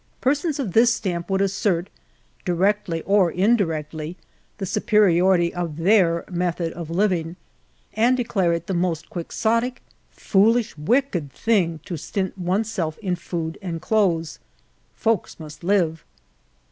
Persons of this stamp would assert, directly or indirectly, the supe riority of their method of living, and declare it the most Quixotic, foolish, wicked thing, to stint one's self in food and clothes. "Folks must live."